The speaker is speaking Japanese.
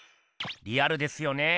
リアルですよねえ。